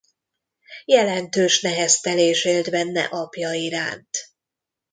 Jelentős neheztelés élt benne apja iránt.